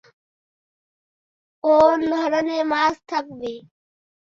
কোন ধরনের মাছ থাকবে?